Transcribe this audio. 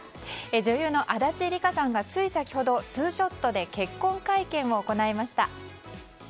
女優の足立梨花さんがつい先ほどツーショットで結婚会見を行いました。